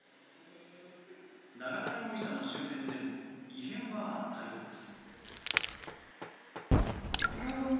永田容疑者の周辺でも異変はあったようです。